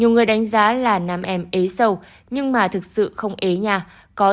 nam em hé lộ